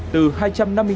từ hai trăm năm mươi đồng